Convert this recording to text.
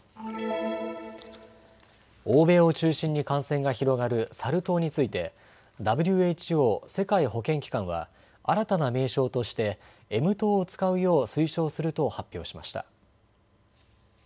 欧米を中心に感染が広がるサル痘についてＷＨＯ・世界保健機関は新たな名称としてＭ痘を使うよう推奨すると発表しました。